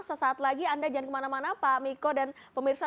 sesaat lagi anda jangan kemana mana pak miko dan pemirsa